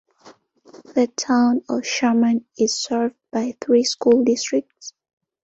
The town of Sherman is served by three school districts.